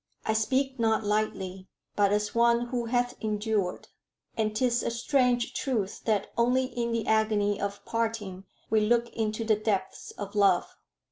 I speak not lightly, but as one who hath endured. And 'tis a strange truth that only in the agony of parting we look into the depths of love."